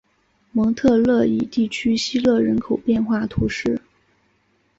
蒙特勒伊地区希勒人口变化图示